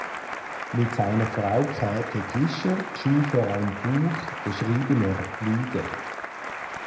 Mit seiner Frau Käte Tischer schuf er ein Buch „geschriebener Lieder“.